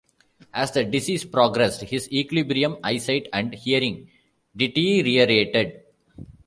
As the disease progressed, his equilibrium, eyesight, and hearing deteriorated.